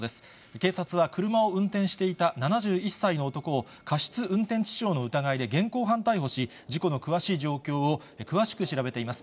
警察は車を運転していた７１歳の男を過失運転致傷の疑いで現行犯逮捕し、事故の詳しい状況を詳しく調べています。